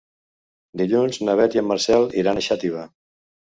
Dilluns na Beth i en Marcel iran a Xàtiva.